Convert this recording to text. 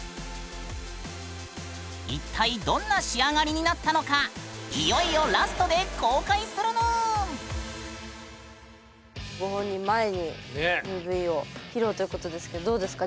一体どんな仕上がりになったのかご本人前にＭＶを披露ということですけどどうですか？